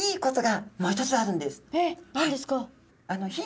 何ですか？